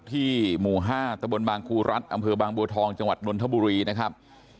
หมู่๕ตะบนบางครูรัฐอำเภอบางบัวทองจังหวัดนนทบุรีนะครับ